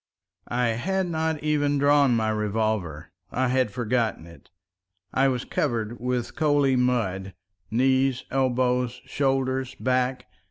I had not even drawn my revolver—I had forgotten it. I was covered with coaly mud—knees, elbows, shoulders, back.